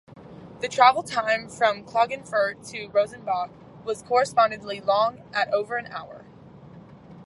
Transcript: The travel time from Klagenfurt to Rosenbach was correspondingly long at over an hour.